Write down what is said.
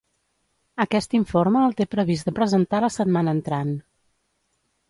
Aquest informe el té previst de presentar la setmana entrant.